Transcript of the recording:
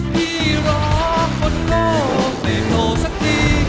พี่รอคนโลกในโลกสักที